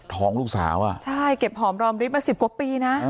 ลูกสาวอ่ะใช่เก็บหอมรอมริบมาสิบกว่าปีนะ